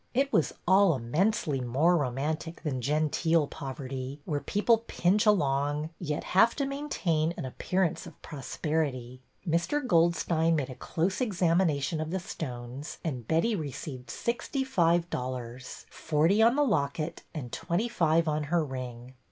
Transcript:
It was all immensely more romantic than genteel poverty, where people pinch along, yet have to maintain an appearance of prosperity. Air. Goldstein made a close examination of the stones, and Betty received sixty five dollars, — forty on the locket and twenty five on her ring.